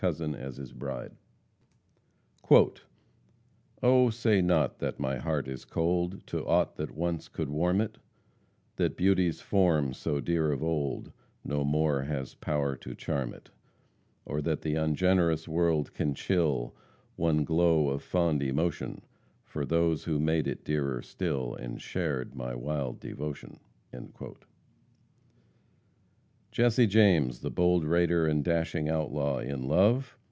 "Oh, say not that my heart is cold To aught that once could warm it; That Beauty's form, so dear of old, No more has power to charm it; Or that the ungenerous world can chill One glow of fond emotion, For those who made it dearer still And shared my wild devotion." Jesse James, the bold raider and dashing outlaw, in love?